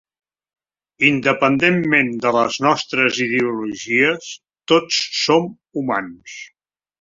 Independentment de les nostres ideologies, tots som humans.